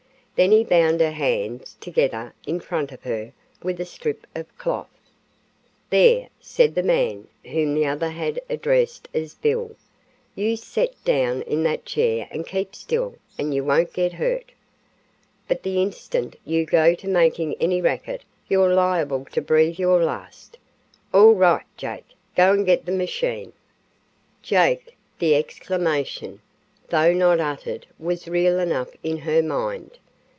Then he bound her hands together in front of her with a strip of cloth. "There," said the man whom the other had addressed as Bill, "you set down in that chair and keep still and you won't get hurt. But the instant you go to makin' any racket you're liable to breathe your last. All right, Jake, go and get the machine." "Jake!" The exclamation, though not uttered, was real enough in her mind.